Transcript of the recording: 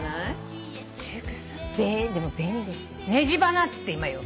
ネジバナって今よ。